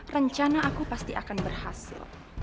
rencana aku pasti akan berhasil